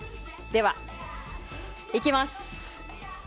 では、いきます。